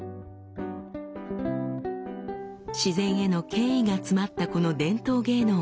「自然への敬意が詰まったこの伝統芸能をもっと知りたい」。